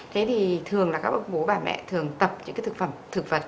thế thì thường là các bố bà mẹ thường tập những cái thực phẩm thực vật